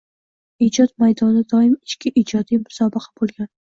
Ijod maydonida doim ichki ijodiy musobaqa bo`lgan